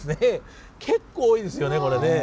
結構多いですよね。